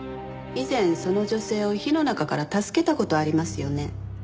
以前その女性を火の中から助けた事ありますよね？